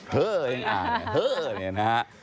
เฮออาหาร